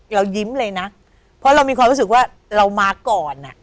เรายิ้มเลยนะเพราะเรามีความรู้สึกว่าเรามาก่อนอ่ะ